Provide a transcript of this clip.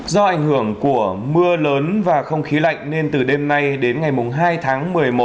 do ảnh hưởng của mưa lớn và không khí lạnh nên từ đêm nay đến ngày hai tháng một mươi một